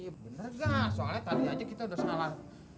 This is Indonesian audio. iya bener gak soalnya tadi aja kita udah salah